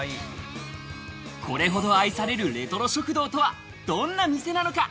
これほど愛されるレトロ食堂とはどんな店なのか？